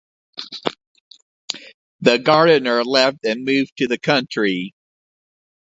The gardener left and moved to the country.